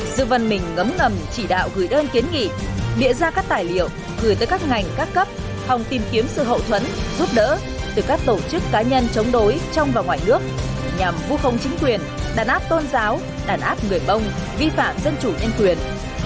dương văn mình ngấm ngầm chỉ đạo gửi đơn kiến nghị địa ra các tài liệu gửi tới các ngành các cấp phòng tìm kiếm sự hậu thuẫn giúp đỡ từ các tổ chức cá nhân chống đối trong và ngoài nước nhằm vu không chính quyền đàn áp tôn giáo đàn áp người mông vi phạm dân chủ nhân quyền